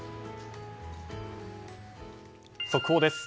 速報です。